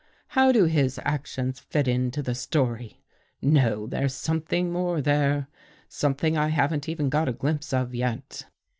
How do his actions fit into the story? No, there's something more there — something I haven't even got a glimpse of yet."